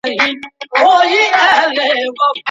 الله تعالی ته د هرچا د تنبيه کولو معيارونه هم معلوم دي.